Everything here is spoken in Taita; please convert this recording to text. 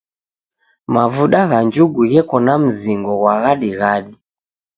Mavuda gha njugu gheko na mzingo ghwa ghadighadi.